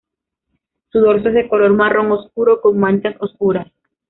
Su dorso es de color marrón oscuro con manchas oscuras.